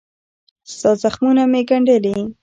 ستا زخمونه مې ګنډلي